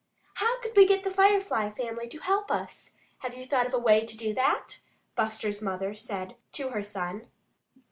"How could we get the Firefly family to help us? Have you thought of a way to do that?" Buster's mother said to her son.